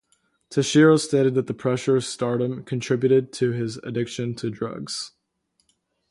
Tashiro stated that the pressure of stardom contributed to his addiction to drugs.